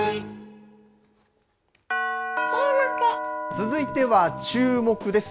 続いてはチューモク！です。